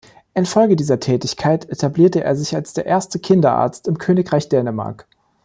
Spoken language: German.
Infolge dieser Tätigkeit etablierte er sich als der erste Kinderarzt im Königreich Dänemark.